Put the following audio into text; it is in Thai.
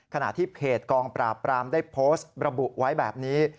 ขณะที่เพจกองปราบปรามได้โพสต์ระบุไว้แบบนี้